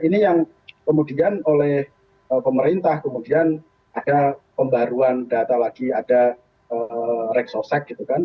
ini yang kemudian oleh pemerintah kemudian ada pembaruan data lagi ada reksosek gitu kan